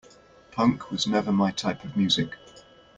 Punk was never my type of music.